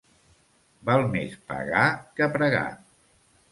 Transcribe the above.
Val més pagar que pregar.